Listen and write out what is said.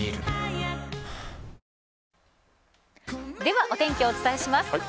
では、お天気をお伝えします。